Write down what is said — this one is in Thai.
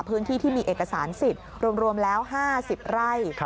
พื้นที่ที่มีเอกสารสิทธิ์รวมแล้ว๕๐ไร่